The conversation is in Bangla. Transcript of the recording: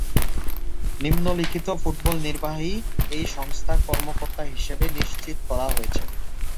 নিম্নলিখিত ফুটবল নির্বাহী এই সংস্থার কর্মকর্তা হিসেবে নিশ্চিত করা হয়েছে।